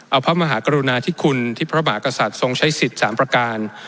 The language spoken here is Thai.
เอาพระมหากรุณาธิคุณที่พระมหากษัตริย์ทรงใช้สิทธิ์๓ประการ